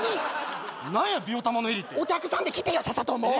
なんや「びよたまのえり」ってお客さんで来てよさっさともう！